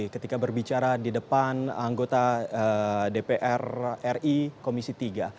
ketika berbicara di depan anggota dpr ri komisi tiga